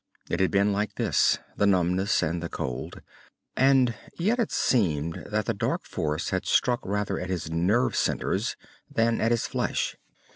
It had been like this, the numbness and the cold. And yet it seemed that the dark force had struck rather at his nerve centers than at his flesh.